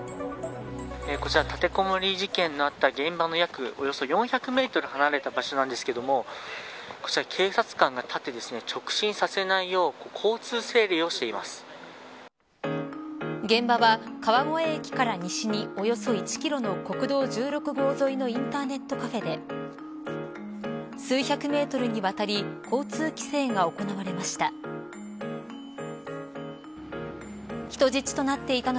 こちら、立てこもり事件のあった現場のおよそ４００メートル離れた場所なんですがこちら警察官が立って直進させないよう現場は川越駅から西におよそ１キロの国道１６号沿いのインターネットカフェで数百メートルにわたり交通規制が行われました。